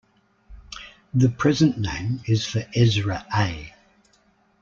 The present name is for Ezra A.